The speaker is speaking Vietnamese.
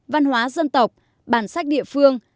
văn hóa dân tộc bản sách địa phương